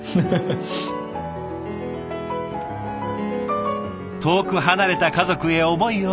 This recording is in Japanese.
遠く離れた家族へ思いをはせる。